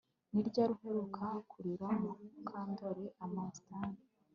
Ni ryari uheruka kurira Mukandoli Amastan